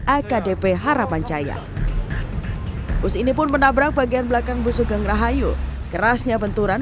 akdp harapancaya bus ini pun menabrak bagian belakang bus sugeng rahayu kerasnya benturan